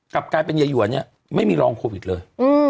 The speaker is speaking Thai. กลับกลายเป็นยายัวเนี่ยไม่มีรองโควิดเลย